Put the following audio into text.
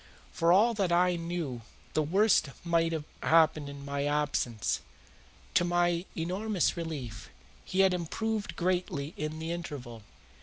For all that I knew the worst might have happened in my absence. To my enormous relief, he had improved greatly in the interval.